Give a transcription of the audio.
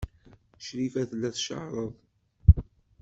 Crifa tella tcerreḍ.